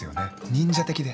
忍者的で。